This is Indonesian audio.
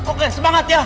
oke semangat ya